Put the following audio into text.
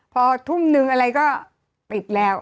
พอทุ่มนึงอะไรก็ปิดแล้ว